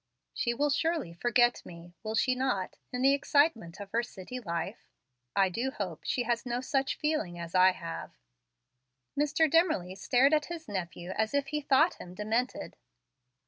She will surely forget me, will she not, in the excitement of her city life? I do hope she has no such feeling as I have." Mr. Dimmerly stared at his nephew as if he thought him demented.